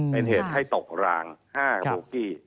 เป็นเหตุให้ตกราง๕ลูกกี้